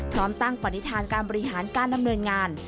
พร้อมตั้งปฏิฐานการบริหารการดำเนินงาน